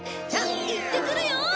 じゃ行ってくるよ！